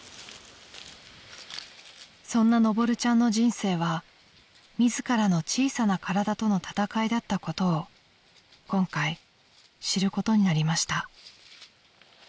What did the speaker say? ［そんなのぼるちゃんの人生は自らの小さな体との闘いだったことを今回知ることになりました］